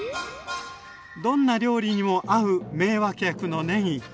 どんな料理にも合う名脇役のねぎ。